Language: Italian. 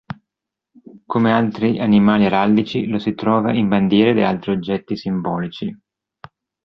Come altri animali araldici, lo si trova in bandiere ed in altri oggetti simbolici.